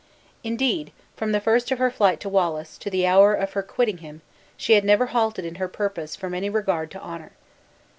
Indeed, from the first of her flight to Wallace to the hour of her qoitting him, she had never halted in her purpose from any regard to honor.